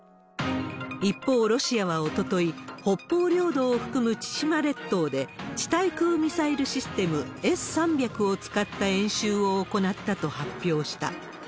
一方、ロシアはおととい、北方領土を含む千島列島で地対空ミサイルシステム、Ｓ−３００を使った演習を行ったと発表した。